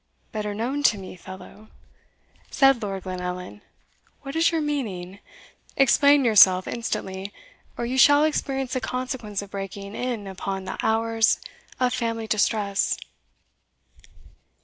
"Better known to me, fellow?" said Lord Glenallan: "what is your meaning? explain yourself instantly, or you shall experience the consequence of breaking in upon the hours of family distress."